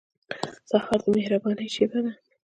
سهار د مهربانۍ شېبه ده.